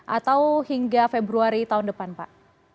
atau hingga februari tahun depan pak